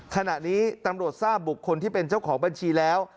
ขณะนี้ตำรวจทราบบุคคลที่เป็นเจ้าของบัญชีแล้ว